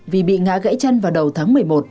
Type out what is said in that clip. vì bị ngã gãy chân vào đầu tháng một mươi một